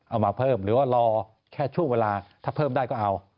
เอามาเพิ่มหรือว่ารอแค่ช่วงเวลาถ้าเพิ่มได้ก็เอา